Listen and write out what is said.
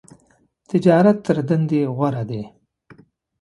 تجارت تر دندی غوره ده .